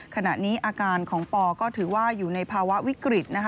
ขณะนี้อาการของปอก็ถือว่าอยู่ในภาวะวิกฤตนะคะ